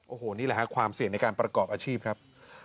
โอ้โหนี่แหละฮะความเสี่ยงในการประกอบอาชีพครับ